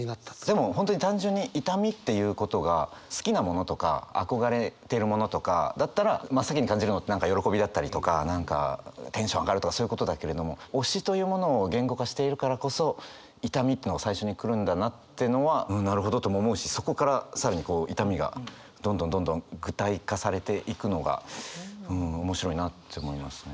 でも本当に単純に「痛み」っていうことが好きなものとか憧れてるものとかだったら真っ先に感じるのって何か喜びだったりとか何かテンション上がるとかそういうことだけれども推しというものを言語化しているからこそ「痛み」というのが最初に来るんだなってのはうんなるほどとも思うしそこから更にこう「痛み」がどんどんどんどん具体化されていくのがうん面白いなって思いますね。